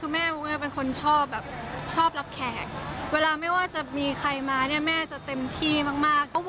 คือแม่มุ้งเป็นคนชอบแบบชอบรับแขกเวลาไม่ว่าจะมีใครมาเนี่ยแม่จะเต็มที่มาก